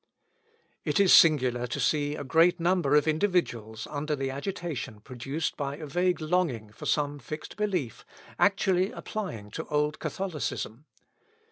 It is singular to see a great number of individuals under the agitation produced by a vague longing for some fixed belief, actually applying to old Catholicism.